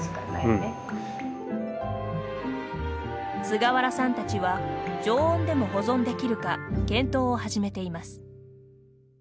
菅原さんたちは常温でも保存できるか検討を始めています。